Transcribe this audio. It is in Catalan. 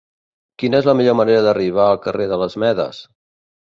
Quina és la millor manera d'arribar al carrer de les Medes?